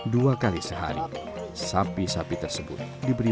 dua kali sehari sapi sapi tersebut diberi